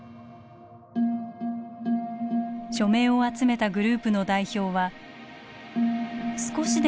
署名を集めたグループの代表はと話しました。